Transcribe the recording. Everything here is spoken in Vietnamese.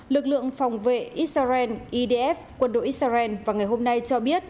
lực lượng phòng vệ israel idf quân đội israel vào ngày hôm nay cho biết